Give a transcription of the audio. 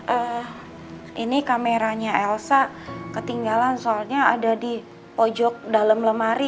eh ini kameranya elsa ketinggalan soalnya ada di pojok dalam lemari